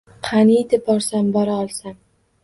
Qaniydi borsam, bora olsam.